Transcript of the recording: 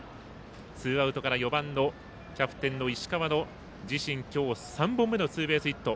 ツーアウトから４番のキャプテンの石川の自身今日３本目のツーベースヒット。